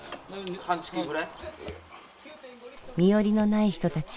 身寄りのない人たち